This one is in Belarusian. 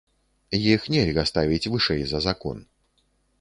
Іх нельга ставіць вышэй за закон.